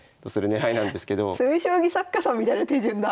詰将棋作家さんみたいな手順だ。